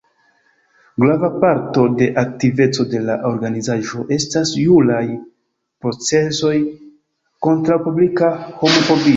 Grava parto de aktiveco de la organizaĵo estas juraj procesoj kontraŭ publika homofobio.